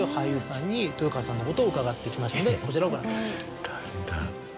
こちらをご覧ください。